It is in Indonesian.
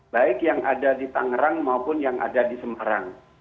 baik yang ada di tangerang maupun yang ada di semarang